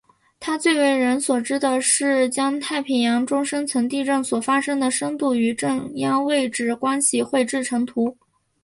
他最为人所知的是将太平洋中深层地震发生的深度与震央位置关系绘制成图。